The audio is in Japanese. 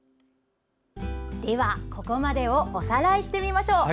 では、ここまでをおさらいしてみましょう。